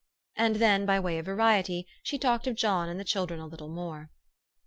And then, by way of variety, she talked of John and the children a little more.